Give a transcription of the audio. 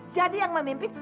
jadi yang memimpin